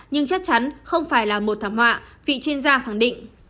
nhưng chắc chắn không phải là một thảm họa vị chuyên gia khẳng định